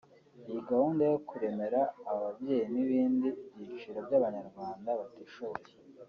Iyi gahunda yo kuremera aba babyeyi n’ibindi byiciro by’Abanyarwanda batishoboye